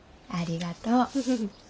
ありがとう。